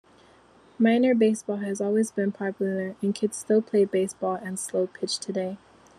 Minor baseball has always been popular, and kids still play baseball and slo-pitch today.